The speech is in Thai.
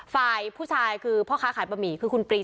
เลิกเลิกเลิกเลิกเลิกเลิกเลิกเลิกเลิก